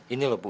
ini loh bu